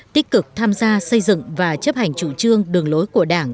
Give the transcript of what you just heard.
tích cực tham gia xây dựng và chấp hành chủ trương đường lối của đảng